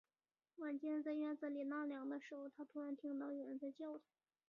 晚间，在院子里纳凉的时候，突然听到有人在叫他